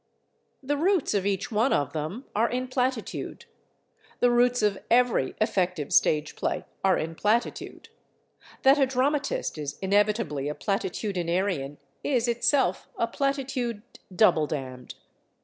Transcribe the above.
The roots of each one of them are in platitude; the roots of every effective stage play are in platitude; that a dramatist is inevitably a platitudinarian is itself a platitude double damned.